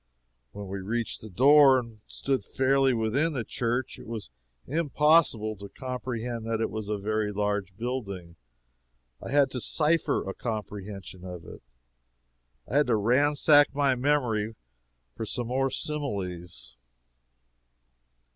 When we reached the door, and stood fairly within the church, it was impossible to comprehend that it was a very large building. I had to cipher a comprehension of it. I had to ransack my memory for some more similes.